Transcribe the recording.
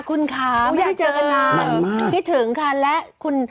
คุณคะไม่ได้เจอกันนานคิดถึงค่ะและคุณ